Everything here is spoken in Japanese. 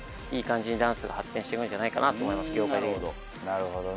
なるほど。